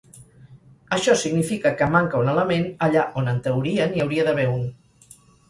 Això significa que manca un element allà on en teoria n'hi hauria d'haver un.